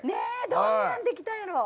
どんなんできたんやろ？